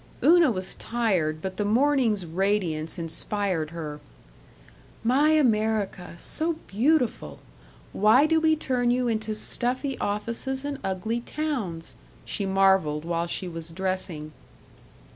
Una was tired, but the morning's radiance inspired her. "My America so beautiful! Why do we turn you into stuffy offices and ugly towns?" she marveled while she was dressing.